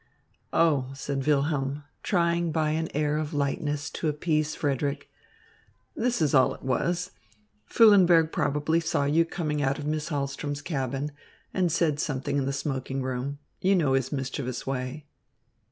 "Oh," said Wilhelm, trying by an air of lightness to appease Frederick, "this is all it was. Füllenberg probably saw you coming out of Miss Hahlström's cabin, and said something in the smoking room. You know his mischievous way."